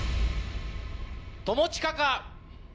友近か？